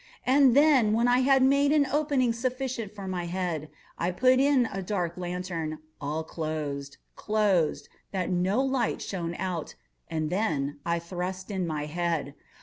And then, when I had made an opening sufficient for my head, I put in a dark lantern, all closed, closed, that no light shone out, and then I thrust in my head.